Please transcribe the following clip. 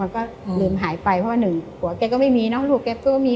ก็ลืมหายไปเพราะว่าหนึ่งผัวแกก็ไม่มีเนอะลูกแกก็ไม่มี